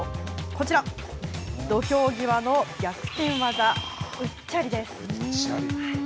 こちら、土俵際の逆転技、うっちゃりです。